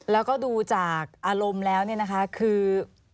แล้วก็ดูจากอารมณ์แล้วคือ